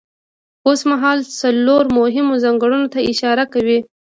اوسمهال څلورو مهمو ځانګړنو ته اشاره کوم.